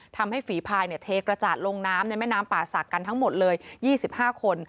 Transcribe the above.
ทำให้ฝีพายเนี่ยเทกระจาดลงน้ำในแม่น้ำป่าสักกันทั้งหมดเลย๒๕คน